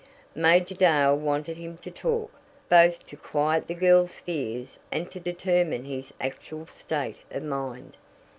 Major Dale wanted him to talk, both to quiet the girls' fears and to determine his actual state of mind.